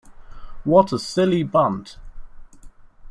What a silly bunt!